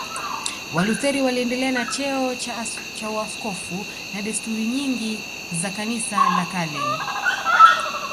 Walutheri waliendelea na cheo cha uaskofu na desturi nyingi za Kanisa la kale